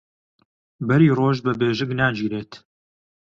بەری ڕۆژ بە بێژنگ ناگیرێت